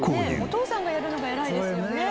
お父さんがやるのが偉いですよね。